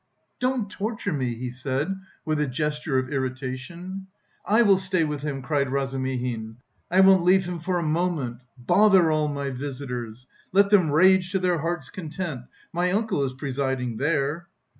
"Don't torture me!" he said with a gesture of irritation. "I will stay with him," cried Razumihin, "I won't leave him for a moment. Bother all my visitors! Let them rage to their hearts' content! My uncle is presiding there."